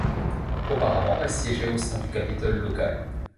Auparavant, elle siégeait au sein du capitole local.